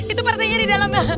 itu pak rete ini di dalam